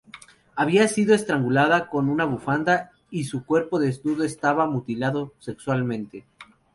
Había sido estrangulada con una bufanda y su cuerpo desnudo estaba mutilado sexualmente.